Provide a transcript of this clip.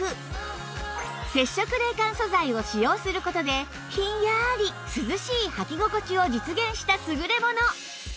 接触冷感素材を使用する事でひんやり涼しいはき心地を実現した優れもの